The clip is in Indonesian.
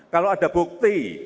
kalau ada bukti